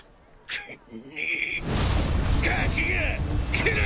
くっ。